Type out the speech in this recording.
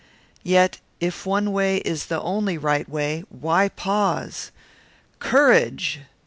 Yet if one way is the only right way, why pause? Courage!